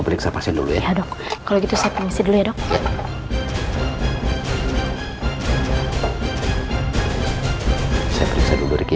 periksa pasien dulu ya dok kalau gitu saya pengisi dulu ya dok saya periksa dulu